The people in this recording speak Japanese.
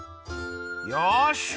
よし！